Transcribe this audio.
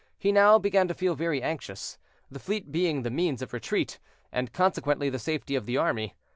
He now began to feel very anxious, the fleet being the means of retreat, and consequently the safety of the army.